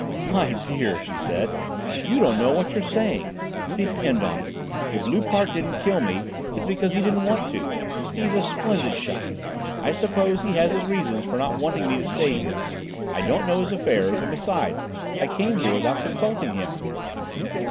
"My dear," she said, "you don't know what you're saying. Depend on it, if Loupart didn't kill me it's because he didn't want to. He's a splendid shot. I suppose he had his reasons for not wanting me to stay here; I don't know his affairs, and besides, I came here without consulting him."